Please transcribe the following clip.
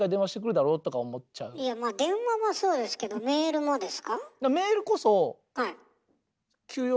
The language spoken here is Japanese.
電話はそうですけどメールもですか？